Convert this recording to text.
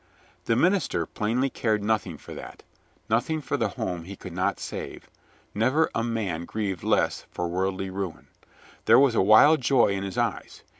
The minister plainly cared nothing for that, noth ing for the home he could not save. Never a man grieved less for worldly ruin. There was a wild joy in his eyes.